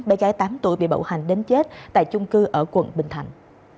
bé gái tám tuổi bị bạo hành đến chết tại chung cư ở quận bình thạnh